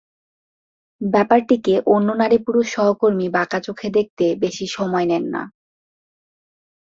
ব্যাপারটিকে অন্য নারী-পুরুষ সহকর্মী বাঁকা চোখে দেখতে বেশি সময় নেন না।